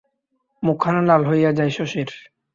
মুখখানা লাল হইয়া যায় শশীর।